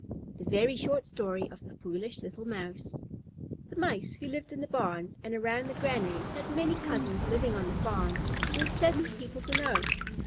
THE VERY SHORT STORY OF THE FOOLISH LITTLE MOUSE The Mice who lived in the barn and around the granaries had many cousins living on the farm who were pleasant people to know.